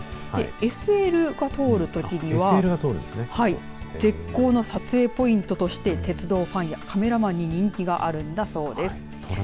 ＳＬが通るときには絶好の撮影ポイントとして鉄道ファンやカメラマンに人気があるんだそうです。